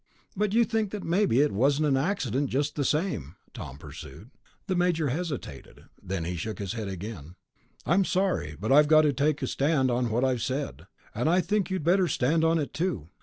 "But you think that maybe it wasn't an accident, just the same," Tom pursued. The major hesitated. Then he shook his head again. "I'm sorry, but I've got to stand on what I've said. And I think you'd better stand on it, too.